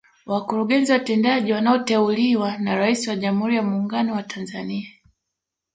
Wakurugenzi watendaji wanaoteuliwa na Rais wa Jamhuri ya Muungano wa Tanzania